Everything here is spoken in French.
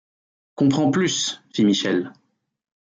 Comprends plus ! fit Michel.